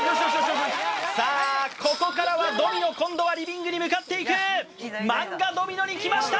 さあここからはドミノ今度はリビングに向かっていく漫画ドミノに来ました